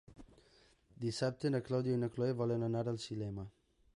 Dissabte na Clàudia i na Cloè volen anar al cinema.